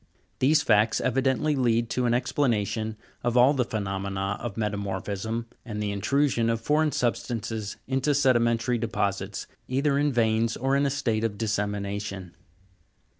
These facts evidently lead to an ex planation of all the phenomena of metamorphism, arid the intrusion of foreign substances into sedimentary deposits, either in veins or in a state of dissemination.